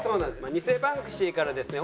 偽バンクシーからですね